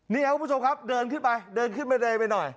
นี่ครับคุณผู้ชมครับเดินขึ้นไปไปหน่อย